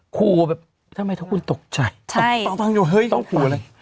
ขู่แบบทำไมทุกคนตกใจต้องขู่อะไร